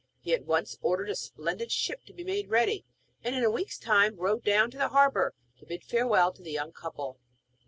He at once ordered a splendid ship to be made ready, and in a week's time rode down to the harbour, to bid farewell to the young couple.